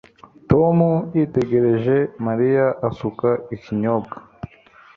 Tom yitegereje Mariya asuka ikinyobwa